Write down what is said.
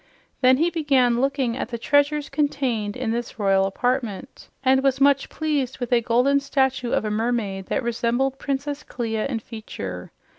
Then he began looking at the treasures contained in this royal apartment, and was much pleased with a golden statue of a mermaid that resembled Princess Clia in feature.